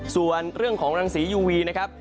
ส่วนเรื่องของรังสียูวีนะครับ